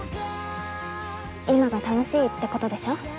今が楽しいってことでしょ？